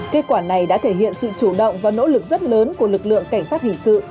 kết quả này đã thể hiện sự chủ động và nỗ lực rất lớn của lực lượng cảnh sát hình sự